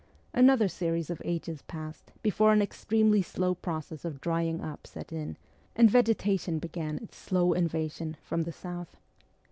Another series of ages passed before an extremely slow process of drying up set in, and vegetation began its slow invasion from the south.